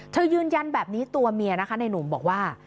ยืนยันแบบนี้ตัวเมียนะคะในหนุ่มบอกว่า